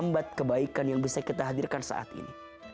saya kata hadirkan saat ini